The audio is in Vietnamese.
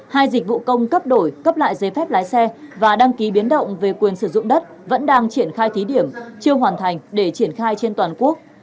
hai dịch vụ công cấp đổi cấp lại giấy phép lái xe và đăng ký biến động về quyền sử dụng đất vẫn đang triển khai thí điểm chưa hoàn thành để triển khai trên toàn quốc